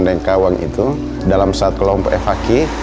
yang kawang itu dalam satu kelompok fhq